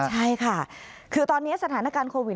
ใช่ค่ะคือตอนนี้สถานการณ์โควิด